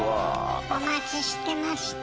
お待ちしてました。